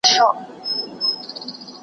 نه په بګړۍ نه په تسپو نه په وینا سمېږي .